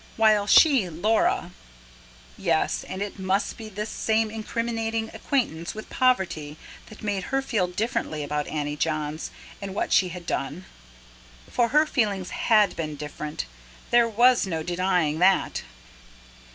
While she, Laura ... Yes, and it must be this same incriminating acquaintance with poverty that made her feel differently about Annie Johns and what she had done. For her feelings HAD been different there was no denying that.